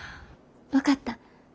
分かった。